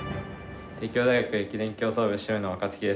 帝京大学駅伝競走部、主務の若月です。